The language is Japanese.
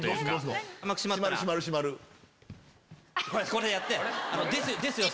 これやって。